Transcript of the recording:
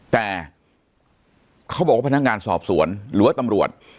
แต่เขาบอกว่าพนักงานสอบสวนหรือว่าตำรวจ